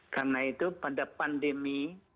karena itu pada pandemi